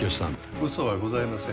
うそはございません。